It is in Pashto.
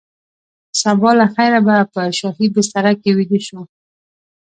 سبا له خیره به په شاهي بستره کې ویده شو.